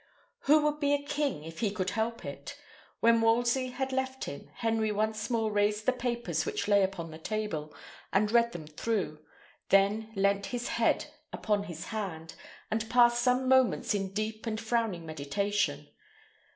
Who would be a king if he could help it? When Wolsey had left him, Henry once more raised the papers which lay upon the table, and read them through; then leant his head upon his hand, and passed some moments in deep and frowning meditation.